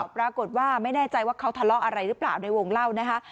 ปรากฏว่าไม่แน่ใจว่าเขาทะเลาะอะไรหรือเปล่าในวงเล่านะคะ